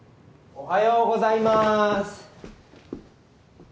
おはようございます。